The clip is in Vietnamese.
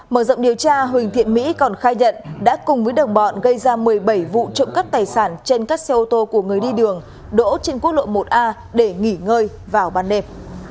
mở rộng điều tra huỳnh thiện mỹ còn khai nhận đã cùng với đồng bọn gây ra một mươi bảy vụ trộm cắp tài sản trên các xe ô tô của người đi đường đỗ trên quốc lộ một a để nghỉ ngơi vào ban đêm